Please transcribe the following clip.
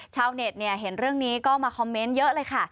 ชาวเน็ตเห็นเรื่องนี้ก็มาคอมเมนต์เยอะเลยค่ะ